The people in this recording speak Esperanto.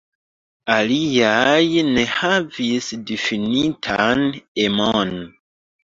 Aliaj ne havis difinitan emon.